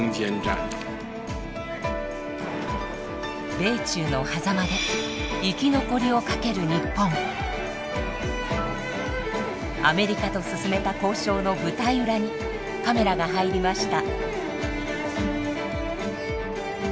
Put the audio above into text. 米中のはざまでアメリカと進めた交渉の舞台裏にカメラが入りました。